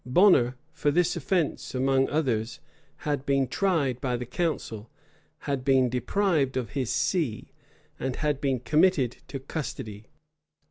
Bonner, for this offence among others, had been tried by the council, had been deprived of his see, and had been committed to custody.